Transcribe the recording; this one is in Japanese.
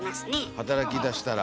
働きだしたら。